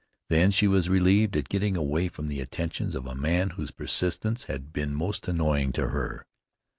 Then she was relieved at getting away from the attentions of a man whose persistence had been most annoying to her.